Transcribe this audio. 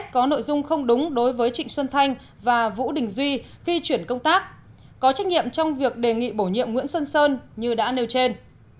có trách nhiệm trong việc bổ nhiệm nguyễn xuân sơn như đã nêu trên